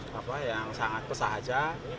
pernikahan yang sangat pesah saja